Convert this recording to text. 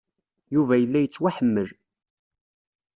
Yuba yella yettwaḥemmel.